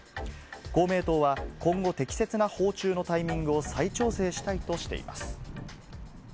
公明党は、今後、適切な訪中のタイミングを再調整したいとしています。